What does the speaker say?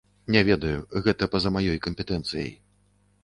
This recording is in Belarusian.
Не ведаю, гэта па-за маёй кампетэнцыяй.